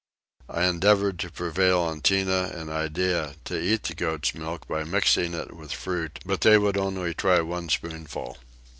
I endeavoured to prevail on Tinah and Iddeah to eat the goats milk by mixing it with fruit, but they would only try one spoonful.